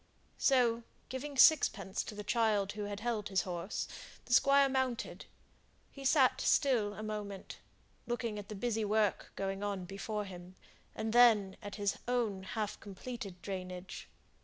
So, giving sixpence to the child who had held his horse, the Squire mounted. He sate still a moment, looking at the busy work going on before him, and then at his own half completed drainage.